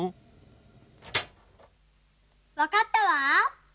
わかったわ。